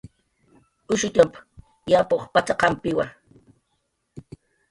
"Ushutxam yapuq p""at""aqampiwa"